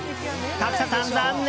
角田さん、残念！